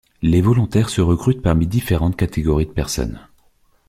Les volontaires se recrutent parmi différentes catégories de personnes.